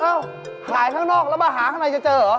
หายข้างนอกแล้วมาหาข้างในจะเจอเหรอ